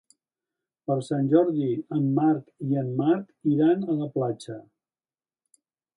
Per Sant Jordi en Marc i en Marc iran a la platja.